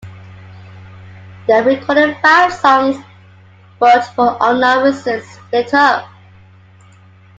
They recorded five songs, but for unknown reasons, split up.